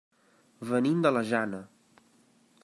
Venim de la Jana.